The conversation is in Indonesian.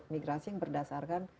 migrasi yang berdasarkan